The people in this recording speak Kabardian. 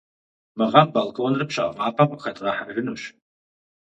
Мы гъэм балконыр пщэфӏапӏэм къыхэдгъэхьэжынущ.